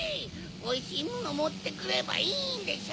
おいしいものもってくればいいんでしょ！